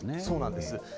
そうなんです。